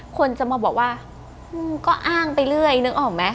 คนจะมาบอกว่าก็อ้างไปเรื่อยนึกออกไหม